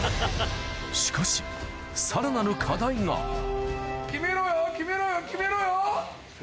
しかしさらなる課題が決めろよ決めろよ決めろよ！